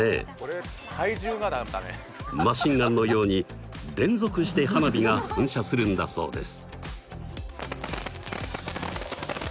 マシンガンのように連続して花火が噴射するんだそうです。